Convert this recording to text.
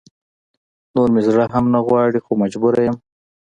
نور مې زړه هم نه غواړي خو مجبوره يم